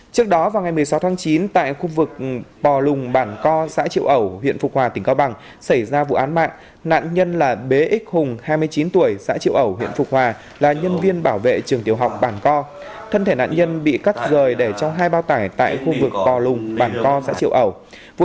trước đó vào ngày một mươi sáu tháng chín tại khu vực pò lùng bản co xã triệu ẩu huyện phục hòa tỉnh cao bằng xảy ra vụ án mạng nạn nhân là bế ích hùng hai mươi chín tuổi xã triệu ẩu huyện phục hòa là nhân viên bảo vệ trường tiểu học bản co thân thể nạn nhân bị cắt rời để trong hai bao tải tại khu vực cò lùng bản co xã triệu ẩu